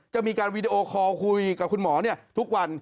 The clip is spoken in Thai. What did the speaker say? จะมีการวีดีโอคอลคุยกับคุณหมอทุกวัน